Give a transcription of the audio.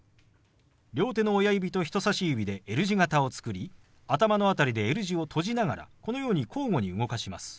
両手の親指と人さし指でＬ字型を作り頭の辺りでＬ字を閉じながらこのように交互に動かします。